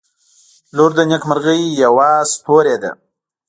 • لور د نیکمرغۍ یوه ستوری ده.